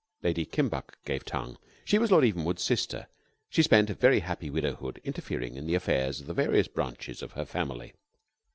Lady Kimbuck gave tongue. She was Lord Evenwood's sister. She spent a very happy widowhood interfering in the affairs of the various branches of her family.